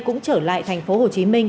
cũng trở lại thành phố hồ chí minh